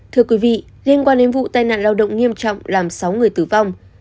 thưa quý vị liên quan đến vụ tai nạn lao động nghiêm trọng làm sáu người tử vong